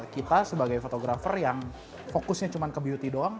kita sebagai fotografer yang fokusnya cuma ke beauty doang